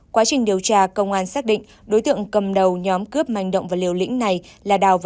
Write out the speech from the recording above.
quá trình điều tra công an xác định đối tượng cầm đầu nhóm cướp manh động và liều lĩnh này là đào và